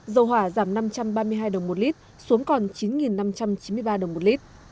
dầu hỏa giảm năm trăm ba mươi hai đồng một lit xuống còn chín năm trăm chín mươi ba đồng một lít